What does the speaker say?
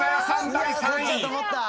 第３位］